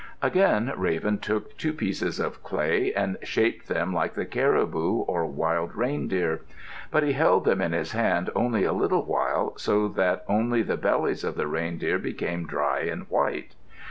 Again Raven took two pieces of clay and shaped them like the caribou or wild reindeer. But he held them in his hands only a little while so that only the bellies of the reindeer became dry and white.